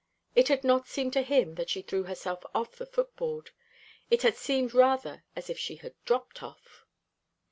It had not seemed to him that she threw herself off the footboard. It had seemed rather as if she had dropped off.